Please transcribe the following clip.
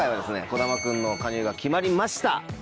児玉君の加入が決まりました。